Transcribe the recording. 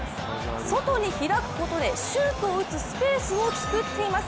外に開くことでシュートを打つスペースを作っています。